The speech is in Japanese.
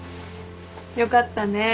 よかったね。